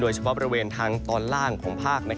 เฉพาะบริเวณทางตอนล่างของภาค